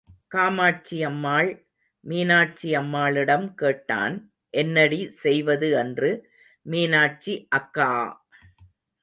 காமாட்சியம்மாள், மீனாட்சியம்மாளிடம் கேட்டான், என்னடி செய்வது என்று, மீனாட்சி அக்கா!